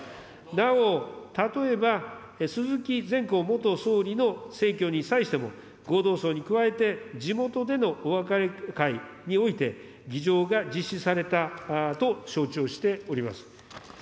なお、例えば、すずきぜんこう元総理の逝去に際しても、合同葬に加えて、地元でのお別れ会において、儀仗が実施されたと承知をしております。